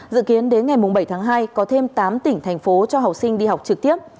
dự kiến đến ngày bảy tháng hai có thêm tám tỉnh thành phố cho học sinh đi học trực tiếp